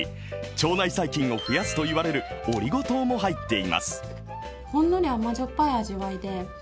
腸内細菌を増やすといわれるオリゴ糖も入っています。